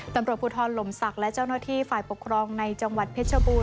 ตำรวจภูทรลมศักดิ์และเจ้าหน้าที่ฝ่ายปกครองในจังหวัดเพชรบูร